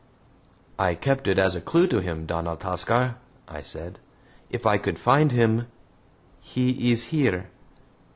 "I kept it as a clue to him, Don Altascar," I said. "If I could find him " "He is here."